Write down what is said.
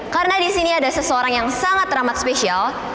karena di sini ada seseorang yang sangat ramah speisial